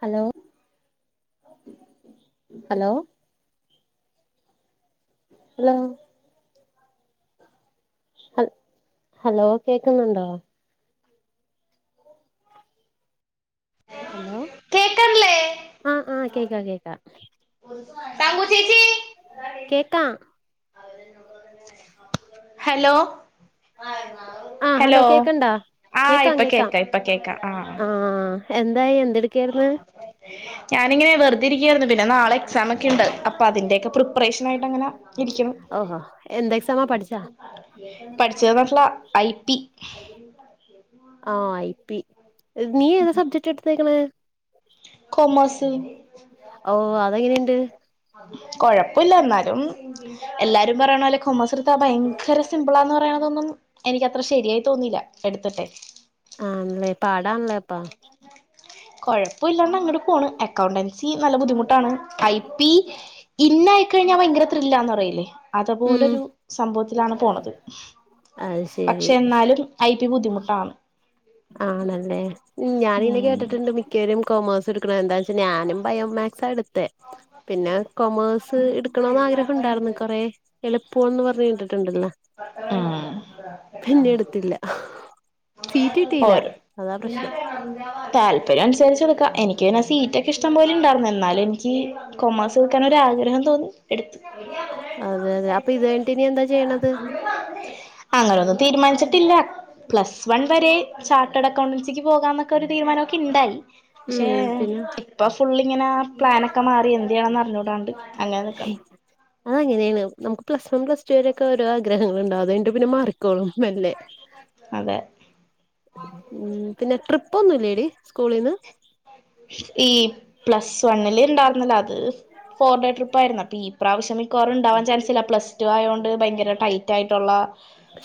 Hello, hello hello ഹ hello കേൾക്കുന്നുണ്ടോ? Hello, കേക്കണില്ലേ ആഹ് ആഹ് കേൾക്കം കേൾക്കാം തങ്കു ചേച്ചി കേക്കാം. ഹലോ ആ ഹലോ, കേക്കണ്ടാ ആഹ് ഇപ്പ കേക്കാം ഇപ്പ കേക്കാം ആഹ് ആ എന്തായി എന്തെടുക്കുവായിരുന്ന് ഞാനിങ്ങനെ വെറുതെരിക്കുവായായിരുന്ന് പിന്നെ നാളെ എക്സാം ഒക്കെ ഇണ്ട് അപ്പ അതിന്റെക്കെ പ്രിപ്പറേഷനായിട്ടങ്ങനെ ഇരിക്ക്ണ്. ഓഹോ എന്ത് എക്സാമാ പഠിച്ചാ [inaudible] പഠിച്ചത് വർല [unintelligible] ഐ ടി ആഹ് ഐ പി നീ ഏത് സബ്ജക്ട് എടുത്തേക്കണ കൊമേഴ്സ് ഓ അതെങ്ങനെണ്ട് കൊഴപ്പല്ല ഇന്നാലും എല്ലാരും പറയണ പോലെ കൊമേഴ്സ് എടുത്ത ഭയങ്കര സിംമ്പിളാന്ന് പറയണതൊന്നും എനിക്കത്ര ശരിയായി തോന്നില്ല എടുത്തിട്ടെ ആണല്ലേ പാടാണല്ലേ അപ്പൊ കൊഴപ്പില്ലാണ്ട് അങ്ങട് പോണ് അക്കൗണ്ടൻസി നല്ല ബുദ്ധിമുട്ടാണ് ഐ പി ഇന്നായി കഴിഞ്ഞാൽ ഭയങ്കര ത്രില്ലാന്ന് പറയില്ലേ ഉം അതപോലൊരു സംഭവത്തിലാണ് പോണത് അത് ശരി പക്ഷെ എന്നാലും ഐ ടി ബുദ്ധിമുട്ടാണ് ആണല്ലേ ഉം ഞാനിനെ ഉം കേട്ടിട്ടുണ്ട് മി മിക്കരും കൊമേഴ്സ് എടുക്കണ എന്താ വെച്ചാ ഞാനും ബയോമാക്സ് എടുത്തെ പിന്നെ കൊമേഴ്സ് എടുക്കണന്ന് ആഗ്രഹണ്ടായിരുന്നു കൊറെ എളുപ്പന്ന് പറഞ്ഞ് കണ്ടിട്ടുണ്ടല്ല ഉം പിന്നെ എടുത്തില്ല സീറ്റ് കിട്ടില്ല ഓരോ അതാ പ്രശ്നം താല്പര്യം അനുസരിച്ച് എടുക്കാം എനിക്ക് പിന്നെ സീറ്റ് ഒക്കെ ഇഷ്ടം പോലെ ഇണ്ടായിരുന്നു എന്നാലും എനിക്ക് കൊമേഴ്സ് എടുക്കാൻ ഒരാഗ്രഹം തോന്നി എടുത്തു അതെ അതെ അപ്പൊ ഇത് കഴിഞ്ഞിട്ടിനി എന്താ ചെയ്യണത് അങ്ങനൊന്നും തീരുമാനിച്ചിട്ടില്ല പ്ലസ് വൺ വരെ ചാർട്ടേഡ് അക്കൗണ്ടൻസിക്ക് പോകാന്നൊക്കെ ഒരു തീരുമാനമൊക്കെ ഉണ്ടായി ക്ഷെ ഉം പിന്നെ ഇപ്പ ഫുൾ ഇങ്ങനെ പ്ലാനൊക്കെ മാറി എന്തെയ്യെണെന്ന് അറിഞ്ഞൂടാണ്ട് അങ്ങനെ നിക്കണ് അതങ്ങനെണ് നമുക്ക് പ്ലസ് വൺ പ്ലസ് ടു വരെ ഒക്കെ ഓരോ ആഗ്രഹങ്ങൾ ഉണ്ടാവും അത് കഴിഞ്ഞിട്ട് പിന്നെ മാറിക്കോളും മെല്ലെ അതെ ഉം പിന്നെ ട്രിപ്പ് ഒന്നുംല്ലടി സ്കൂളീന്ന് ഈ പ്ലസ് വണ്ണില് ഇണ്ടാർന്നതാ അത് ഫോർ ഡേ ട്രിപ്പ് ആയിരുന്നു അപ്പൊ ഈ പ്രാവശ്യ മി ക്കാറും ഇണ്ടാവാൻ ചാൻസില്ല പ്ലസ് ടു ആയോണ്ട് ഭയങ്കര ടൈറ്റ് ആയിട്ടുള്ള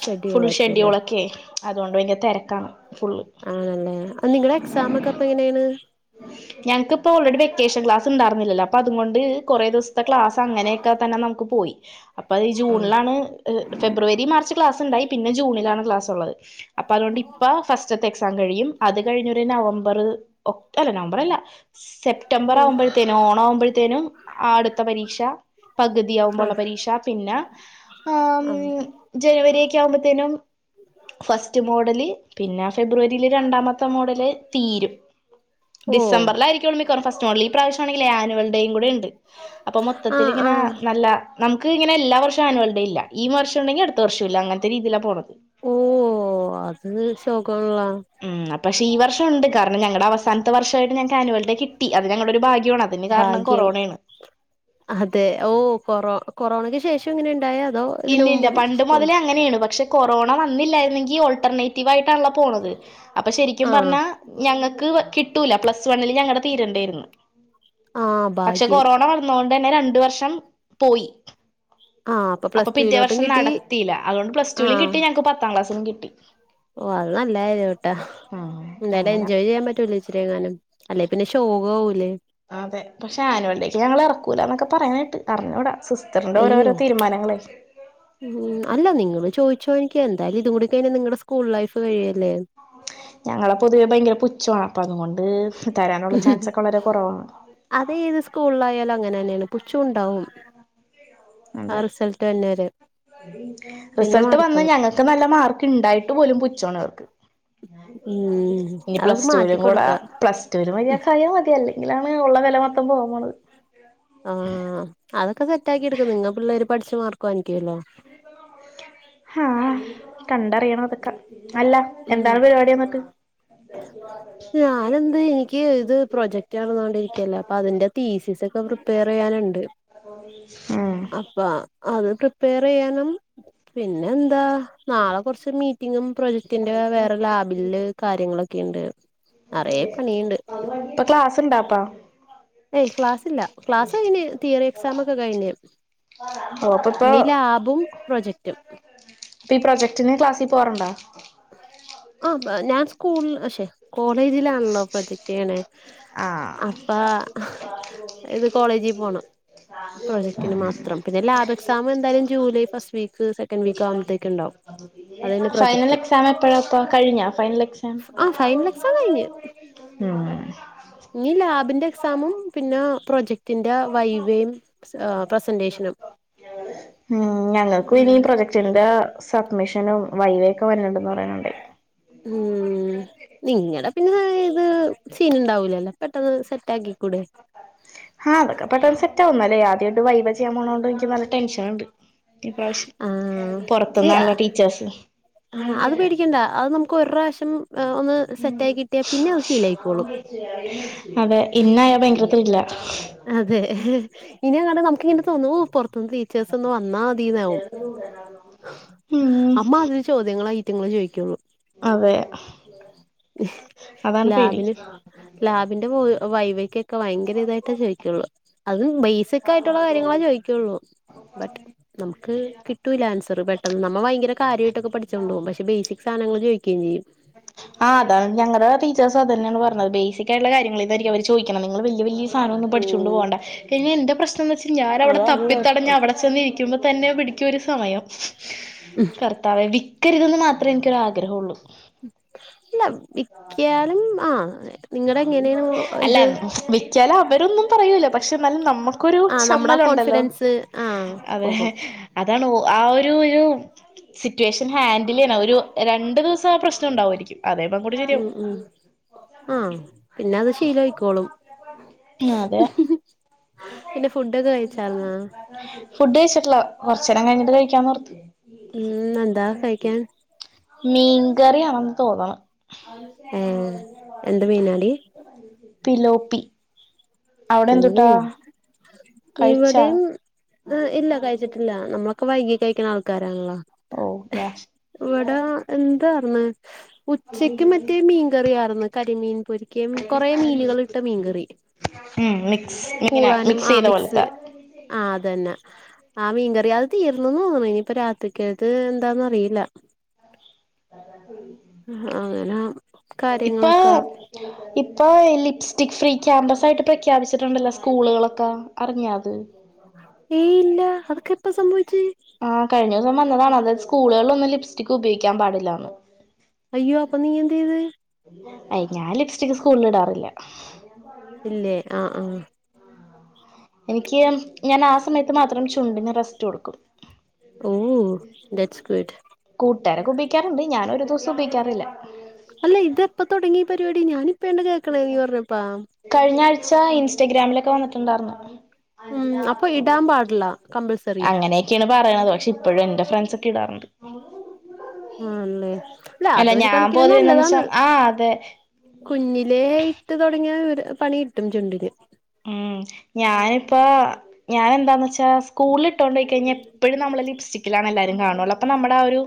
ഷെഡ്യൂൾ ഫുൾ ആയിരിക്കുംല്ലേ ഷെഡ്യൂൾ ഒക്കെ അതുകൊണ്ട് ഭയങ്കര തിരക്കാണ് ഫുള് ആണല്ലേ നിങ്ങളടെ എക്സാമൊക്കെ അപ്പ എങ്ങനെയാണ് ഞങ്ങക്ക്പ്പൊ ഓൾറെഡി വെക്കേഷൻ ക്ലാസ്ണ്ടാർന്നില്ലല്ല അപ്പ അതുകൊണ്ട് കുറെ ദിവസത്തെ ക്ലാസ് അങ്ങനൊക്കെ തന്നെ നമുക്ക് പോയി അപ്പൊ അത് ആഹ് ജൂണിലാണ് ഫെബ്രുവരി മാർച്ച് ക്ലാസ് ഇണ്ടായി പിന്നെ ജൂണിലാണ് ക്ലാസ് ഉള്ളത് അപ്പൊ അതുകൊണ്ട് ഇപ്പ ഫസ്റ്റത്തെ എക്സാം കഴിയും അത് കഴിഞ്ഞൊരു നവംബർ ഒക് അല്ല നവംബർ അല്ല സെപ്റ്റംബർ ഉം ആവുമ്പോഴത്തേനും ഓണം ആവുമ്പോഴത്തേനും അടുത്ത പരീക്ഷ പകുതിയാകുമ്പോ ഉള്ള ആഹ് പരീക്ഷ പിന്നെ ആം ആഹ് ജനുവരിക്കെ ആവുമ്പോത്തേനും ഫസ്റ്റ് മോഡല് പിന്നെ ഫെബ്രുവരിയില് രണ്ടാമത്തെ മോഡല് തീരും ഓ ഡിസംബറിലായിരിക്കും മിക്കവാറും ഫസ്റ്റ് മോഡൽ ഈ പ്രാവശ്യണെങ്കിൽ ആനുവൽ ഡേയും കൂടെ ഉണ്ട് അപ്പൊ മൊത്തത്തില് ആഹ് ഇങ്ങനെ ആഹ് നല്ല നമുക്ക് ഇങ്ങനെല്ലാ വർഷവും ആനുവൽ ഡേ ഇല്ല ഈ വർഷം ഉണ്ടെങ്കി അടുത്ത വർഷം ഇല്ല അങ്ങനത്തെ രീതിയിലാ പോണത് ഓ അത് ശോകാള്ള ഉം പക്ഷ ഈ വർഷ ഉണ്ട് കാരണം ഞങ്ങടെ അവസാനത്തെ വർഷമായിട്ട് ഞങ്ങൾക്ക് ആനുവൽ ഡേ കിട്ടി അത് ഞങ്ങളൊരു ഭാ ഭാഗ്യം അതെ ഓ കൊറോ കൊറോണക്ക് ശേഷം ഇങ്ങനെ ഇണ്ടായേ അതോ ഇതിന് ഇല്ലല്ല മുമ്പും പണ്ട് സ്കൂൾ മുതലേ അങ്ങനെയാണ് പക്ഷെ കൊറോണ വന്നില്ലായിരുന്നെങ്കി ഓൾട്ടർനെയ്റ്റീവായിട്ടാണല്ലൊ പോണത് അപ്പൊ ശരിക്കും ആഹ് പറഞ്ഞാ ഞങ്ങക്ക് കിട്ടൂല പ്ലസ് വണ്ണ്ല് ഞങ്ങടെ തീരണ്ടേര്ന്ന് ആഹ് പക്ഷെ ഭാഗ്യം കൊറോണ വന്നോണ്ടെന്നെ രണ്ട് വർഷം പോയി ആഹ് അപ്പൊ പ്ലസ് പിറ്റേ ടുവിലോട്ടും വർഷം കിട്ടി നടത്തീല അതോണ്ട് പ്ലസ്റ്റൂലും കിട്ടി ഞങ്ങക്ക് പത്താം ക്ലാസിലും കിട്ടി ഓഹ് അത് നല്ല കാര്യാവ്ട്ടാ ഉം എന്തായാലും അങ്ങനെ എൻജോയ് ചിയ്യാ പറ്റൂലെ ആച്ചങ്ങാനും അല്ലെ പിന്നെ ശോക ആവുലെ അതെ പക്ഷെ ആനുവൽഡേക്ക് ഞങ്ങളെ എറക്കൂല ന്നൊക്ക പറയ്ണേട്ട് അറിഞ്ഞൂട സിസ് റ്റർന്റ അയ്യോ ഓരോരൊ തീര്മാനങ്ങളെ ഉം അല്ല നിങ്ങള് ചോദിച്ചോനിക്ക് എന്തായാലും ഇത് കൂടി കഴിഞ നിങ്ങടെ സ്കൂൾ ലൈഫ് കഴിയല്ലേ ഞങ്ങളെ പൊതുവെ ഭയങ്കര പുച്ഛവ അപ്പൊ അതുംകൊണ്ട് തരാനുള്ള ചാൻസൊക്ക വളരെ കൊറവാണ് അത ഏത് സ്കൂളിലായാലും അങ്ങനെന്നേണ് പുച്ചു ഉണ്ടാവും അതെ ആഹ് റിസൽട്ട് വർന വരെ റിസൾട്ട് വന്ന ഞങ്കക്ക് നല്ല മാർക്ക് ഇണ്ടായിട്ട് പോലും പുച്ചവാണ് അവർക്ക് ഉം ഇനി അത് പ്ലസ്റ്റൂലും കൂട മാറ്റിക്കൊടുക്ക പ്ലസ് റ്റൂലും കായ്യ മതി അല്ലെങ്കിലാണ് ഉള്ള വില മൊത്തം പോണത് ആഹ് അതൊക്ക സെറ്റാക്കി എടുക്കും നിങ്ങ പിള്ളേര് പഠിച്ചു മാർക്ക് വാങ്ങിക്കുല്ലൊ ആഹ് കണ്ടറിയണം അതൊക്കെ അല്ല ഉം എന്താണ് പരിപാടി എന്നിട്ട് [unintelligible] ഞാനെന്ത് എനിക്ക് ഇത് പ്രൊജക്ട് നടന്നോണ്ടിരിക്കല്ലെ അപ്പൊ അതിന്റെ തീസിസ് ഇപ പ്രിപ്പേറിയ്യാന്ണ്ട് ഉം അപ്പ അത് പ്രിപ്പേറിയ്യാനും പിന്നെന്താ നാളെ കൊറ്ച്ച് മീറ്റിങ്ങും പ്രൊജക്ടിന്റെ വേറെ ലാബില്ല് കാര്യങ്ങളൊക്ക ണ്ട് നെറേ പണിയ്ണ്ട് ഇപ്പൊ ക്ലാസ് ഇണ്ടാപ്പൊ ഏയ് ക്ലാസ്സില്ല ക്ലാസ് കയഞ് തീയറി എക്സാമൊക്കെ കഴിഞ്ഞ് ഓ അപ്പൊ ഇപ്പൊ ഇനി ലാബും പ്രൊജക്ടും ഇപ്പ ഈ പ്രൊജക്ടിന് ക്ലാസി പോവറ്ണ്ടൊ ആഹ് ഞാൻ സ്കൂൾ പക്ഷെ കോളേജിലാണലൊ പ്രൊജക്ടീയ്ണെ അപ്പ ഇത് കോളേജി പോണം പ്രോജക്റ്റിന് മാത്രം പിന്നെ ലാബ് എക്സാമ് എന്തായാലും July first week second week ആവുമ്പത്തേക്ക് ഇണ്ടാവും ഫൈനല് എക്സാമ് എപ്പഴാപ്പൊ കഴിഞ്ഞൊ ഫൈനല് എക്സാം ആഹ് ഫൈനലെ എക്സാം കഴിഞ്ഞ് ഉം ഇനി ലാബ്ന്റ എക്സാമും പിന്ന പ്രൊജക്ടിന്റ വൈവേം ഏഹ് പ്രസന്റേഷ്നും ഉം ഞങ്ങക്കു ഇനി പ്രൊജക്ടിന്റെ സബ്മിഷനും വൈവേയൊക്കെ വരൺണ്ട് ന്നറയൺണ്ട് ഉം നിങ്ങടെ പിന്ന ഇത് സീന് ഇണ്ടാവൂലലൊ പെട്ടെന്ന് സെറ്റാക്കി കൂടെ ആഹ്തൊക്കെ പെട്ടെന്ന് സെറ്റ ആഹ് അതൊക്കെ പെട്ടെന്ന് സെറ്റാവും ഇന്നാലു ആദ്യായ്ട്ട് വൈവേ ചെയ്യാ പോണതോണ്ടെ എനിക്ക് നല്ല ടെൻഷന്ണ്ട് ഇപ്രാവശ്യം ആ പൊറത്തുന്നാണല്ലൊ ടീച്ചേഴ്സ് ആഹ് അത് പേടിക്കണ്ട അത് നമുക്ക് ഒരു പ്രാവശ്യം ഏഹ് ഒന്ന് സെറ്റായി ആയി കിട്ടിയ പിന്നെ അത് ശീലായിക്കോളും അതെ ഇന്നായാ ഭയങ്കര ത്രില്ല അതെ ഇനി അങ്ങാണ്ട് നമുക്കിങ്ങനെ തോന്നൂ പൊറ്ത്തൂന്ന് ട്ടീച്ചേഴ്സൊന്ന് വന്നാ മതീന്നാവും ഉം അമ്മാതിരി ചോദ്യങ്ങളായി റ്റ്ങ്ങൾ ചോയ്ക്കൊള്ളൂ അതെ അതാണ് പേടി ലാബിന് ലാബിന്റെ വൈവെക്ക് ക്ക വയങ്കര ഇതായിട്ടേ ചോദിക്കുള്ളൂ അതും ബേസിക്കായിട്ടുള്ള കാര്യങ്ങള ചോയ്ക്കൊള്ളൂ ബട്ട് നമുക്ക് കി ട്ടൂലാൻസർ പെട്ടെന്ന് നമ്മ ഭയങ്കര കാര്യായിട്ടൊക്കെ പഠിച്ചോണ്ട് പോവും. പക്ഷെ ബേസിക് സാനങ്ങൾ ചോയ്ക്കേം ചെയ്യും ആഹ് അതാണ് ഞങ്ങടെ ടീച്ചേഴ്‌സും അതന്നെയാണ് പറഞ്ഞത് ബേസിക് ആയിട്ടുള്ള കാര്യങ്ങളെ അവര് ചോയിക്കണ, നിങ്ങള് വല്യ വല്യ സാനൊന്നും പഠിച്ചൊണ്ട് ഉം പോണ്ട ഇനി എന്റെ പ്രശ് നന്തെന്ന് വെച്ച ഞാൻ അവിടെ അതാണ് തപ്പിത്തടഞ്ഞ് കുഴപ്പം അവിടെ ചെന്നിരിക്കുമ്പ തന്നെ പിടിക്കും ഒരു സമയം കർത്താവേ വിക്കരുതെന്ന് മാത്രമേ എനിക്കൊരു ആഗ്രഹള്ളൂ ഇല്ല വിക്കിയലും ആഹ് നിങ്ങടെ എങ്ങനെയാണ് അല്ല ഇത് വിക്കിയാലും അവരൊന്നും പറയൂല. പക്ഷെ ന്നാലും നമ്മക്- ക്കൊരു ആഹ് നമ്മുടെ ആ ചമ്മലുണ്ടല്ലോ കോൺഫിഡൻസ് ആഹ് അതെ പോകും അതാണ് ആ ഒരു ഒരു സിറ്റുവേഷൻ ഹാൻഡിലെയ്യണം ഒരു രണ്ടു ദിവസം ആ പ്രശ്നം ണ്ടാവായിരിക്കും അതേപ്പങ്ങോട്ട് ശെരിയാവും ഉം ഉം ആഹ് പിന്നത് ശീലായിക്കോളും അതെ പിന്നെ ഫുഡ്ടൊക്കെ കഴിച്ചാർന്നാ ഫുഡ് കഴിച്ചിട്ടില്ല കൊർച്ചേരം കഴിഞ്ഞിട്ട് കഴിക്കാന്നോർത് ഉം എന്താ കഴിക്കാൻ മീൻകറിയാണെന്ന് തോന്ന്ണ് ഏഹ് എന്ത് മീനാടി പിലോപ്പി ഓഹ് അവിടെന്തുട്ടാ ഇവിടെയും ഇല്ല കഴിച്ചിട്ടില്ല നമ്മക്- ക്കൊ വൈകി കഴിക്കണ ആൾക്കാരാണല്ലോ ഓ യാ ഇവടെ എന്താ പർഞ്ഞെ ഉച്ചക്ക് മറ്റേ മീൻകറിയാർന്ന്, കരിമീൻ പൊരി കൊറേ മീനുകളിട്ട മീൻകറി ഏഹ് മിക്സ് ഇങ്ങന മിക്സെയ്ത പോലെത്തെ ആഹ് അതന്നെ ആ മീൻകറി അത് തീർന്നെന്ന് തോന്നുണ് ഇനിയിപ്പ രാത്രിക്കേക്ക് എന്താന്നറിയില്ല അങ്ങനാ ഇപ്പാ ഇപ്പൊ ലിപ്സ്റ്റിക് ഫ്രീ ക്യാമ്പസായിട്ട് പ്രഖ്യാപിച്ചിട്ടുണ്ടല്ലോ സ്കൂളുകളൊക്കെ അറിഞ്ഞാ അത് ഏയ് ഇല്ല അതൊക്കെപ്പ സംഭവിച്ച് ആ കഴിഞ്ഞിവസം വന്നതാണ്, അതായത് സ്കൂളുകളിലൊന്നും ലിപ്സ്റ്റിക്ക് ഉപയോഗിക്കാൻ പാടില്ലാന്ന് അയ്യോ അപ്പൊ നീ എന്ത് ചെയ്ത് അയ് ഞാൻ ലിപ്സ്റ്റിക് സ്കൂളില് ഇടാറില്ല ഇല്ലേ ആ ആഹ് എനിക്ക് ഞാനാസമയത്ത് മാത്രം ചുണ്ടിന് റസ്റ്റ് കൊടുക്കും ഓഹ് ദാറ്റ്സ് ഗുഡ് കൂട്ടാരൊക്കെ ഉപയോഗിക്കാറുണ്ട് ഞാൻ ഒരു ദിവസം ഉപയിക്കാറില്ല അല്ല ഇതെപ്പൊ തൊടങ്ങി ഈ പരിപാടി ഞാനിപ്പഴാണ്ട കേക്കണെ നീ പറഞ്ഞപ്പാ കഴിഞ്ഞാഴ്ച ഇൻസ്റ്റഗ്രാമിലൊക്കെ വന്നിട്ടുണ്ടാർന്നു ഉം അപ്പൊ ഇടാൻ പാടില്ല കമ്പൽസറി അങ്ങനെ ക്കെണ് പറയണത്. പക്ഷെ ഇപ്പഴും എൻറെ ഫ്രണ്ട്സൊക്കെ ഇടാറുണ്ട് ആണല്ലേ അല്ല അതൊരു ഞാൻ കണിക്കിന് പൊതുവെ എന്താന്ന് നല്ലതാണ് വെച്ചാ ആ അതെ കുഞ്ഞിലേ ഇട്ട് തൊടങ്ങിയ ഒരു പണി കിട്ടും ചുണ്ടിന് ഉം ഞാനിപ്പ ഞാൻ എന്താന്ന് വെച്ചാ സ്കൂള് ഇട്ടോണ്ടോയി കഴിഞ്ഞ ഇപ്പോഴും നമ്മള് ലിപ്സ്റ്റിക്കിലാണ് എല്ലാരും കാണുവ അപ്പൊ നമ്മുടെ ആ ഒരു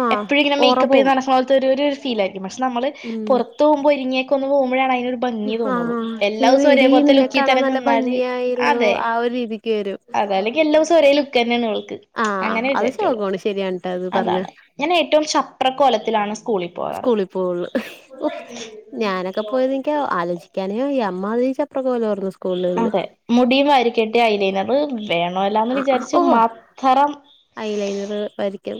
ആഹ് എപ്പോഴും ഇങ്ങനെ ഓറ മേക്കപ്പ് ചെയിതു പോവും നടക്കുന്ന ഒരു ഫീലായിരിക്കും പക്ഷെ നമ്മള് പൊറ ഉം പൊറത്ത് പോകുമ്പോ ഒരിങ്ങിയൊക്ക ഒന്ന് പോകുമ്പോഴാണ് അതിനൊരു ഭംഗി തോന്നുള്ളൂ ആഹ് എല്ലാ അയ്യോ ദിവസവും ഒരേ എടീ പോലെ ഒരെ നിന്നെ ലുക്ക് കാണാൻ തന്നെ നല്ല നിന്നാല് ഭംഗിയായല്ലോ അതെ ആ ഒരു രീതിക്ക് വരും അതല്ല എല്ലാ ദിവസം ഒരേ ലുക്ക് തന്നെയാണ് അവൾക്ക് ആഹ് അങ്ങനെ അത് വിചാരിക്കുള്ളു ശോകാണ് ശരിയാണ് ട്ടോ അത് പറഞ്ഞ അതാണ് ഞാൻ ഏറ്റവും ശപ്രകോലത്തിലാണ് സ്കൂളില് പോകാറ് സ്കൂളിൽ പോവുള്ളൂ ഓഹ് ഞാനൊക്കെ പോയതൊക്ക ആലോചിക്ക ക്കാന വയ്യ അമ്മാതിരി ശപ്രകോലമായിരുന്നു അതെ മുടിയും വാരി കെട്ടിയയലെനയത് വേണോല്ലാന്ന് വിചാരിച്ച്മാത്രം. ഇലൈനാർ വരിക്കും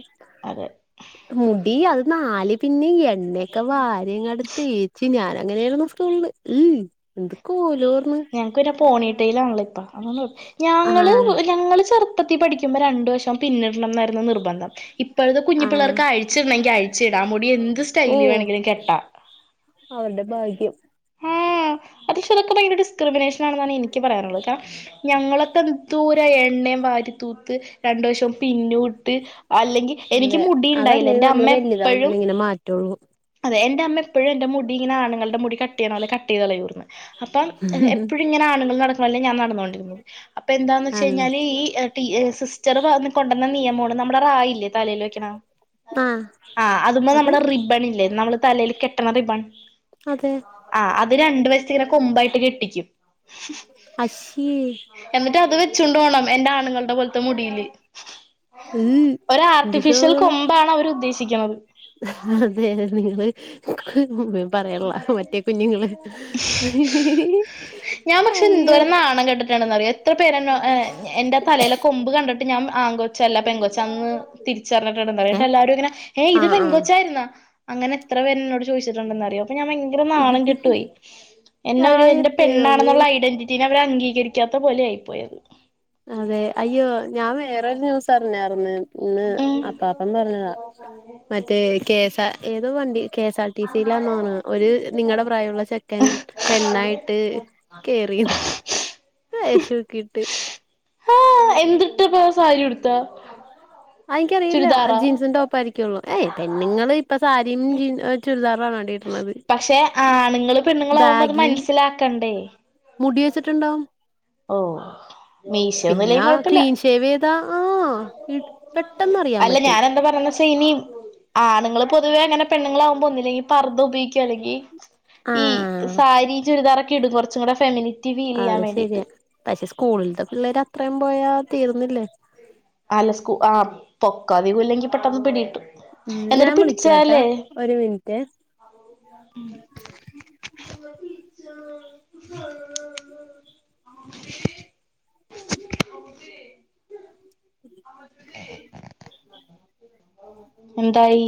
മുടി അത് നാല് പിന്നെ എണ്ണയ്ക്കെ വാര്യങ്ങട്ട്തെ ച്ചി ഞാനങ്ങനായിരുന്നു സ്കൂൾഉം എന്ത്കൊലർന്നു. ഞങ്ങക്ക് പോണീട്ടയിലാണല്ലോ ഇപ്പ അതോണ്ട് കൊ ഞ ആഹ് ഞങ്ങൾ ചെറുപ്പത്തി പഠിക്കുമ്പോ രണ്ട് വഷം പിന്നിടണന്നായിരുന്ന നിർബന്ധം ഇപ്പോഴത്തെ കുഞ്ഞു ആഹ് പിള്ളേർക്ക് ആയ്. ച്ചിടണെങ്കി അഴിച്ചിട മുടി എന്ത് സ്റ്റൈല് ഓഹ് വേണെങ്കിലും കെട്ടാ. അവരുടെ ഭാഗ്യം ആഹ് [unintelligible] ഡിസ്ക്രിമിനേഷൻ ആണെന്നാണ് എനിക്ക് പറയാനുള്ളത് കര ഞങ്ങളൊക്ക എദ് തൂര എണ്ണയും വാരിത്തൂത്ത് രണ്ട് വഷും പിന്നൂട്ട്. ത് അല്ലെങ്കിൽ എനിക്ക് അതെ മുടിണ്ടായില്ല അതല്ലേ നമ്മള് എന്റമ്മ എപ്പോഴും വലുതാവുമ്പോഴേ ഇങ്ങനെ മാറ്റുള്ളൂ അതെ എന്റെ അമ്മ എപ്പോഴും എന്റെ മുടിങ്ങനാ ആണുങ്ങളുടെ മുടി കട്ടയ്യണോലെ കട്ട് ചെയ്ത് കളയരുന്നു എഹ് എപ്പഴുങ്ങനെ ആണുങ്ങൾ നടക്കണോലെ ഞാൻ നടന്നുകൊണ്ടിരിക്കും അപ്പൊന്താന്ന് ആണല്ലേ ചെയ്ഞ്ഞാൽകഴിഞ്ഞാല് ഈ ട്ടി ഹ സിസ്റ്റർ പറഞ്ഞികൊണ്ടന്നനിയമാണ് നമ്മുടെ റായില്ലേ തലേൽ വെക്കണ ആഹ് ആഹ് അതമ അത് നമ്മുടെ റിബ്ബണില്ലേ നമ്മൾതലേൽ കെട്ടണ റിബൺ അതെ ആഹ് അത് രണ്ട് വശത്ത്ങ്ങനെ കൊമ്പായിട്ട് കെട്ടിക്കും അശ്യാ എന്നിട്ട് അത് വെച്ചോണ്ട്ഓണംഎന്റെ ആണുങ്ങളുടെ പോലത്തെ മുടിയില് ഉം ഒരു എന്ത് ആർട്ടിഫിഷ്യൽ ശോകാണ് കൊമ്പാണ് അവർ ഉദ്ദേശിക്കുന്നത് അതെ നിങ്ങള്ൾ [unintelligible] പറയള്ള മറ്റേ കുഞ്ഞുങ്ങള് ഞാൻ പക്ഷെ അയ്യോ എന്തോരം [unintelligible] എത്ര പേരന്നഎ എന്റെതലയിലെ കൊമ്പ് കണ്ടിട്ട് ഞാൻ ആങ്കോച്ചല്ല പെങ്കൊച്ച അന്ന് തിരിച്ചറിഞ്ഞിട്ടുണ്ടെന്നറിയോ ഏ ശേ എല്ലാരുംങ്ങനെ ഏഹ് ഇത് ആഹ് ആഹ് പെങ്കൊച്ചായിരുന്നാ. അങ്ങന എത്ര പേരന്നോട് ചോദിട്ടുണ്ടെന്നറിയോ അപ്പ ഞാൻ [unintelligible] ങ്കര നാണം കെട്ടുയി എന്നെ ഒരു ആയ എന്റെ ദൈവമേ പെണ്ണാണെന്നുള്ള ഐഡന്റി നെ അവരംഅംഗീകരിക്കാത്ത പോലെയിപോയത് അതെ അയ്യോ ഞാൻ വേറൊരു ദിവസറഞ്ഞാർന്ന് ഇന്ന് ഉം അപ്പാപ്പന് പറഞ്ഞതാ മറ്റേ കേസ ഏതോ വണ്ടി കേസ ടി സിയിലാന്നഓണ ഒരു നിങ്ങടെ പ്രായുള്ള ചെക്കൻ പെണ്ണായിട്ട് കേറീന്ന്. ഹ് ഹ വെശോക്കിട്ട് ആഹ് എന്തിട്ടപ്പ സാരി ഉട്ത്താ ആയ്നിക്കറിയില്ല ജീൻസും ടോപ്പാരിക്കുള്ളൂ ഏയ് പെണ്ണുങ്ങള് ഇപ്പൊ സാരിയും ജീൻ ചുരിദാറും ആണ ശ് പക്ഷെ ആണുങ്ങൾ പെണ്ണുങ്ങളാവുമ്പോ അത് ബാഗിയും മനസ്സിലാക്കണ്ടേ മുടി വെച്ചിട്ട്ണ്ടാവും. ഓഹ് പിന്ന ക്ലീൻ ഷേവ് ചെയ്താ ആഹ് പെട്ടെന്ന് അറിയാൻ പറ്റും ഇനിം ആണ്ങ്ങൾ പൊതുവെ അങ്ങനെപെണ്ണ്ങ്ങളാവുമ്പൊ ഒന്നൂല്ലങ്കി പർദ ഉപയോഗിക്കും അല്ലെങ്കി ഈ ആഹ് സാരി ചുരിദാറൊക്കെ ഇടും കൊറച്ചും കൂടെ ഫെമിനി അത് ശരിയാ പക്ഷെ സ്കൂളിൽത്തെ പിള്ളേര് അത്രയും പോയാ തീർന്നില്ലേ അല്ല സ്കൂ ആ പൊക്കാതികൂല്ലെങ്കി പെട്ടെന്ന് പിടി കിട്ടും. ഉം ഞാൻ എന്നിട്ട് വിളിക്കാട്ടാ ഒരു മിനിറ്റേ ഉ മ് ച്ചാ ച്ച ഫ എന്തായി